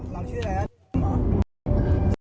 เราชื่อไหนละ